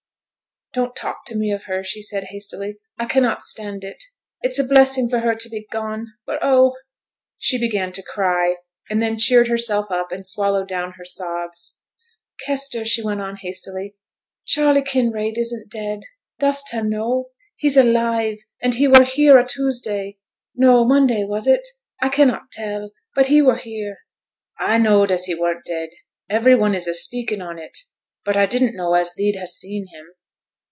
'Don't talk to me of her,' she said hastily. 'I cannot stand it. It's a blessing for her to be gone, but, oh ' She began to cry, and then cheered herself up, and swallowed down her sobs. 'Kester,' she went on, hastily, 'Charley Kinraid isn't dead; dost ta know? He's alive, and he were here o' Tuesday no, Monday, was it? I cannot tell but he were here!' 'A knowed as he weren't dead. Every one is a speaking on it. But a didn't know as thee'd ha' seen him.